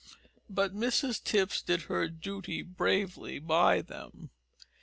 But Mrs Tipps did her duty bravely by them.